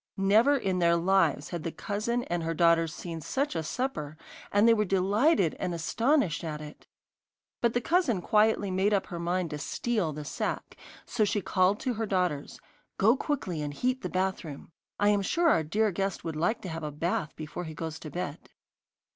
Never in their lives had the cousin and her daughters seen such a supper, and they were delighted and astonished at it. But the cousin quietly made up her mind to steal the sack, so she called to her daughters: 'Go quickly and heat the bathroom: I am sure our dear guest would like to have a bath before he goes to bed.